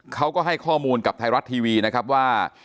เขาก็ให้ข้อมูลกับไทยรัฐทีวีนะครับว่า